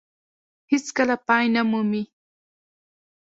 هېڅ کله پای نه مومي.